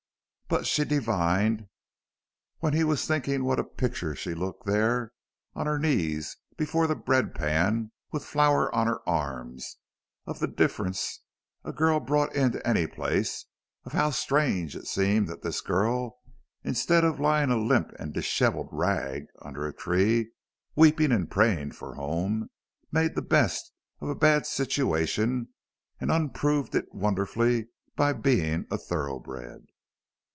But she divined when he was thinking what a picture she looked there, on her knees before the bread pan, with flour on her arms; of the difference a girl brought into any place; of how strange it seemed that this girl, instead of lying a limp and disheveled rag under a tree, weeping and praying for home, made the best of a bad situation and unproved it wonderfully by being a thoroughbred.